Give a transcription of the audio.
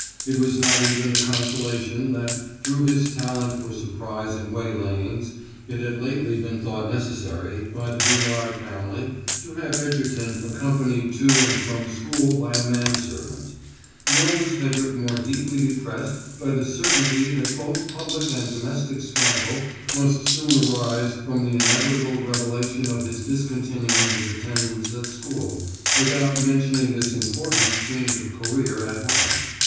It was not even a consolation that, through his talent for surprise in waylayings, it had lately been thought necessary, by the Villard family, to have Egerton accompanied to and from school by a man servant. Nor was Hedrick more deeply depressed by the certainty that both public and domestic scandal must soon arise from the inevitable revelation of his discontinuing his attendance at school without mentioning this important change of career at home.